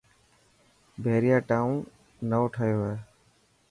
بهريا ٽائون نئون ٺهيو هي.